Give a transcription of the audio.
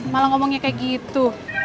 malah ngomongnya kayak gitu